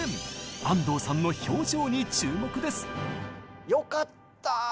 安藤さんの表情に注目です！